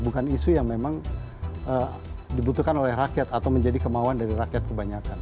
bukan isu yang memang dibutuhkan oleh rakyat atau menjadi kemauan dari rakyat kebanyakan